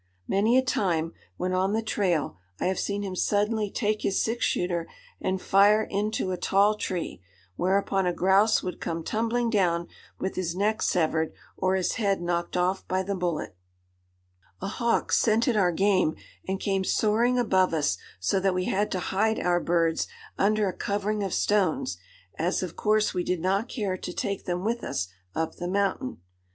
Many a time, when on the trail, I have seen him suddenly take his six shooter and fire into a tall tree, whereupon a grouse would come tumbling down, with his neck severed, or his head knocked off by the bullet. [Illustration: Storm in Little Fork Valley.] A hawk scented our game and came soaring above us so that we had to hide our birds under a covering of stones, as of course we did not care to take them with us up the mountain.